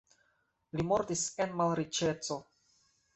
Li mortis en malriĉeco.